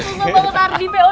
nanti aku ngasih dia